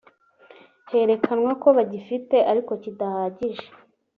herekanwa ko bagifite ariko kidahagije